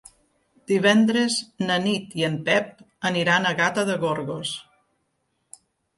Divendres na Nit i en Pep aniran a Gata de Gorgos.